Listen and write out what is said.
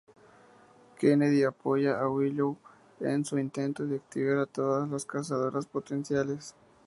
Kennedy apoya a Willow en su intento de activar a todas las cazadoras potenciales.